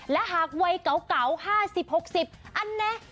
และหากวัยเก่า๕๐๖๐อันนะ